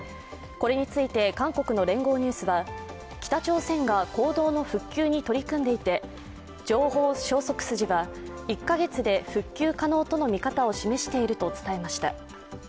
これについて韓国の聯合ニュースは北朝鮮が坑道の復旧に取り組んでいて情報消息筋は、１カ月で復旧可能との見方を示していると伝えました。